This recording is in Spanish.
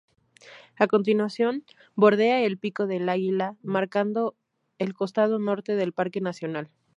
A continuación bordea el Pico del Águila marcando el costado norte del Parque Nacional.